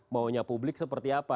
maunya publik seperti apa